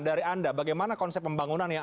dari anda bagaimana konsep pembangunan yang